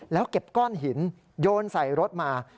แล้วเก็บก้อนหินโยนใส่รถมา